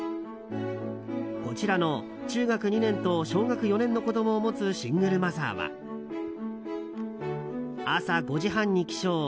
こちらの中学２年と小学４年の子供を持つシングルマザーは朝５時半に起床。